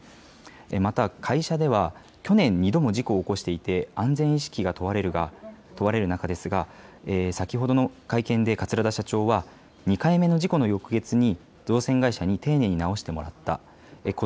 また会社では去年、２度の事故を起こしていて安全意識が問われる中ですが先ほどの会見で桂田社長は２回目の事故の翌月に造船会社に丁寧に直してもらった。